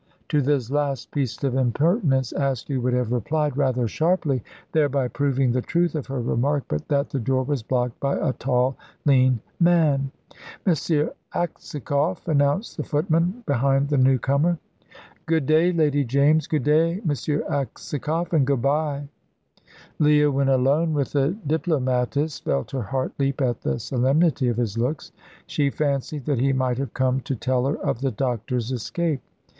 To this last piece of impertinence Askew would have replied rather sharply, thereby proving the truth of her remark, but that the door was blocked by a tall lean man. "M. Aksakoff!" announced the footman, behind the newcomer. "Good day, Lady James. Good day, M. Aksakoff, and good bye." Leah, when alone with the diplomatist, felt her heart leap at the solemnity of his looks. She fancied that he might have come to tell her of the doctor's escape.